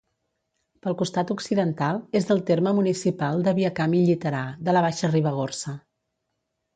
Pel costat occidental, és del terme municipal de Viacamp i Lliterà, de la Baixa Ribagorça.